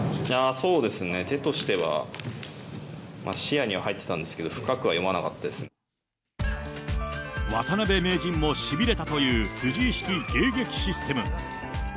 そうですね、手としては、視野には入ってたんですけど、深く渡辺名人もしびれたという藤井式迎撃システム。